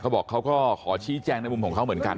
บอกเขาก็ขอชี้แจงในมุมของเขาเหมือนกัน